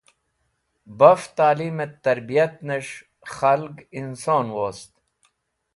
Baf Ta'limet Tarbiyat nes̃h Khalg Inson wost